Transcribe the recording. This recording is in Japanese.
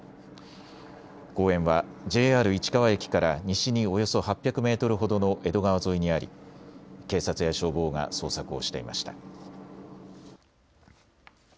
公園はＪＲ市川駅から西におよそ８００メートルほどの江戸川沿いにあり、警察や消防が捜索をしていました。